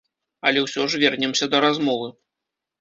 Але ўсё ж вернемся да размовы.